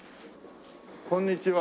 こんにちは。